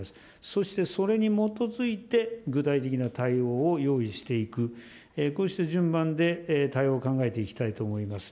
そしてそれに基づいて、具体的な対応を用意していく、こうした順番で対応を考えていきたいと思います。